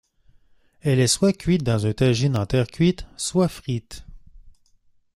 Elle est soit cuite dans un tajine en terre cuite, soit frite.